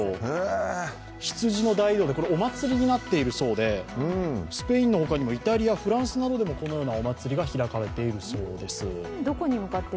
羊の大移動、お祭りになっているそうでスペインの他にも、イタリアなどでもこのようなお祭りが開かれているそうです。